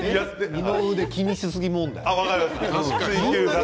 二の腕気にしすぎ問題。